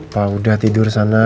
apa udah tidur sana